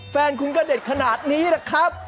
แฟนคุณก็เด็ดขนาดนี้แหละครับ